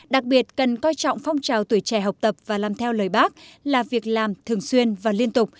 đặc biệt cần coi trọng phong trào tuổi trẻ học tập và làm theo lời bác là việc làm thường xuyên và liên tục